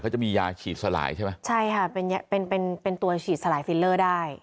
ก็จะมียาฉีดสลายใช่ไหมใช่ค่ะเป็นตัวฉีดสลายฟิลเลอร์ได้